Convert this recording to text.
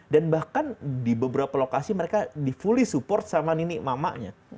dan bahkan di beberapa lokasi mereka di fully support sama nini mamanya